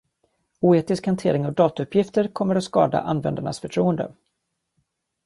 Oetisk hantering av datauppgifter kommer att skada användarnas förtroende.